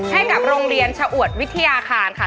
ให้กับโรงเรียนชะอวดวิทยาคารค่ะ